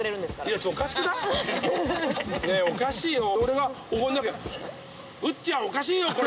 ねえおかしいよ。